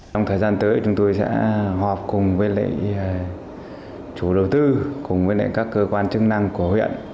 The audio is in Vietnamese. trong thời gian tới chúng tôi sẽ họp cùng với chủ đầu tư cùng với các cơ quan chức năng của huyện